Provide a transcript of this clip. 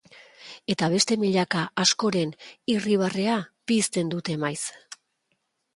Eta beste milaka askoren irribarrea pizten dute maiz.